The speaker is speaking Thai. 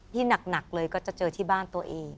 ที่หนักเลยก็จะเจอที่บ้านตัวเอง